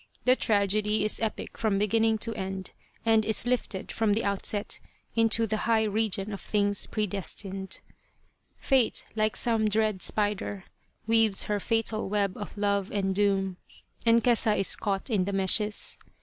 64 The Tragedy of Kesa Gozen is epic from beginning to end, and " is lifted from the outset into the high region of things predestined." Fate, like some dread spider, weaves her fatal web of love and doom, and Kesa is caught in the meshes.